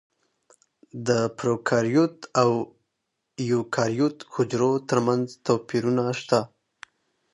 د پروکاریوت او ایوکاریوت حجرو ترمنځ توپیرونه شته.